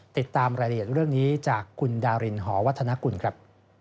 ติดตามรายละเอียดเรื่องนี้จากคุณดารินหอวัฒนกุลครับ